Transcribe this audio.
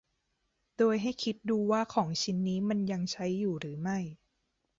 โดยให้คิดดูว่าของชิ้นนี้มันยังใช้อยู่หรือไม่